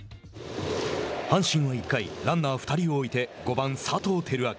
阪神は１回ランナー２人を置いて５番佐藤輝明。